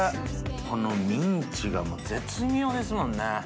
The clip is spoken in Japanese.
このミンチが絶妙ですもんね。